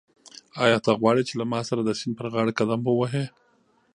آیا ته غواړې چې له ما سره د سیند پر غاړه قدم ووهې؟